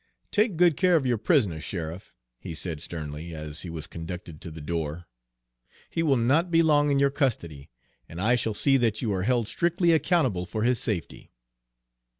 "Take good care of your prisoner, sheriff," he said sternly, as he was conducted to the door. "He will not be long in your custody, and I shall see that you are held strictly accountable for his safety."